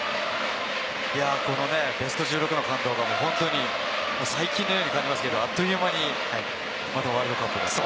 ベスト１６の感動が本当に最近のように感じますけれど、あっという間にまたワールドカップですね。